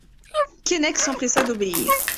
Keinec s'empressa d'obéir.